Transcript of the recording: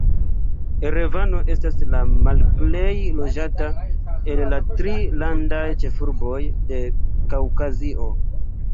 Erevano estas la malplej loĝata el la tri landaj ĉefurboj de Kaŭkazio.